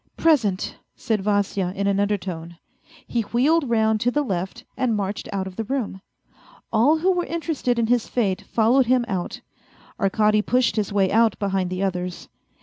" Present !" said Vasya in an undertone ; he wheeled round to the left and marched out of the room. All who were interested in his fate followed him out. Arkady pushed his way out behind the others.